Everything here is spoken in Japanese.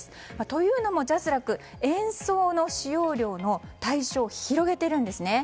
というのも、ＪＡＳＲＡＣ演奏の使用料の対象を広げているんですね。